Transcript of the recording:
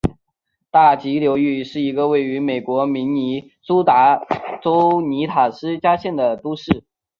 大急流城是一个位于美国明尼苏达州伊塔斯加县的都市。